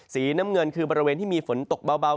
สีน้ำเงินคือบริเวณที่มีฝนตกเบา